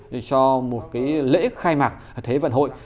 cho một cái lễ khai mạc thế vận hội